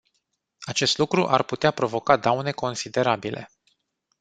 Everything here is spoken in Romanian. Acest lucru ar putea provoca daune considerabile.